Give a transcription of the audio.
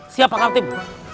siap pak kantin